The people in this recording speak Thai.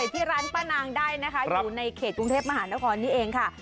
ที่ร้านป้านางได้นะคะ